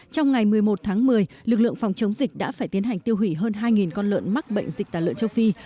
trong ngày một mươi một tháng một mươi lực lượng phòng chống dịch đã phải tiến hành tiêu hủy hơn hai con lợn mắc bệnh dịch tả lợn châu phi